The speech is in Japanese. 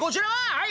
はい！